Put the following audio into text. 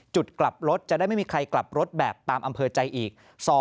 จุดกลับรถจะได้ไม่มีใครกลับรถแบบตามอำเภอใจอีก